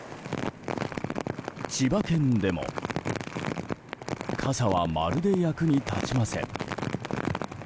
千葉県でも傘はまるで役に立ちません。